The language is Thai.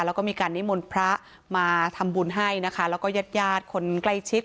แล้วก็มีการนิมนต์พระมาทำบุญให้นะคะแล้วก็ญาติญาติคนใกล้ชิด